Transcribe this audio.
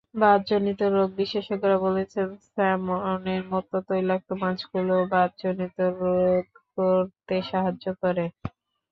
বাতজনিত রোগ বিশেষজ্ঞরা বলছেন, স্যামনের মতো তৈলাক্ত মাছগুলো বাতজনিত রোধ করতে সাহায্য করে।